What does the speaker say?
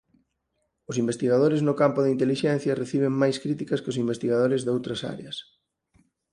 Os investigadores no campo da intelixencia reciben máis críticas que os investigadores doutras áreas.